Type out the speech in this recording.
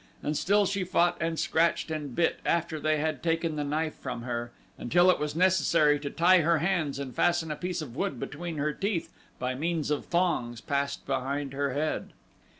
And still she fought and scratched and bit after they had taken the knife from her until it was necessary to tie her hands and fasten a piece of wood between her teeth by means of thongs passed behind her head.